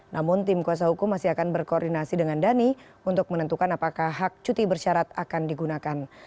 namun tim kuasa hukum masih akan berkoordinasi dengan dhani untuk menentukan apakah hak cuti bersyarat akan digunakan